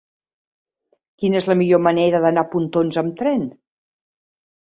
Quina és la millor manera d'anar a Pontons amb tren?